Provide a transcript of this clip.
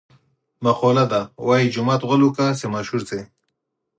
مقوله ده: وايي جومات غول وکړه چې مشهور شې.